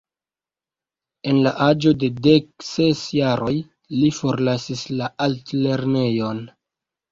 En la aĝo de dek ses jaroj li forlasis la altlernejon.